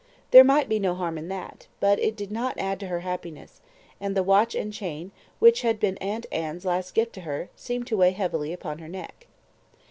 There might be no harm in that; but it did not add to her happiness; and the watch and chain, which had been Aunt Anne's last gift to her, seemed to weigh heavily upon her neck.